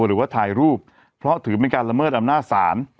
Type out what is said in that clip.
หรือว่าถ่ายรูปเพราะถือเป็นการละเมิดอำนาจศาล